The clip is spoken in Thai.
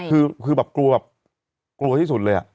คือแบบกลัวแบบกลัวที่สุดเลย